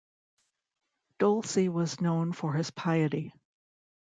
Dolci was known for his piety.